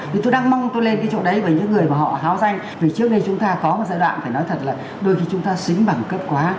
vì tôi đang mong tôi lên cái chỗ đấy với những người mà họ háo danh vì trước đây chúng ta có một giai đoạn phải nói thật là đôi khi chúng ta xính bằng cấp quá